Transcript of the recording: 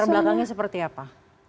latar belakangnya seperti apa